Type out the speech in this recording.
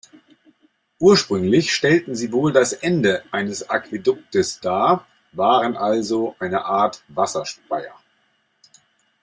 Ursprünglich stellten sie wohl das Ende eines Aquäduktes dar, waren also eine Art Wasserspeier.